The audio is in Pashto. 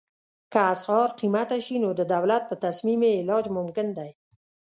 که اسعار قیمته شي نو د دولت په تصمیم یې علاج ممکن دی.